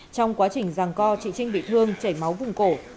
trong quá trình ràng co chị trinh bị thương chảy máu vùng cổ